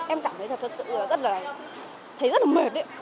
em cảm thấy thật sự rất là mệt